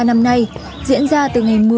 năm nay diễn ra từ ngày một mươi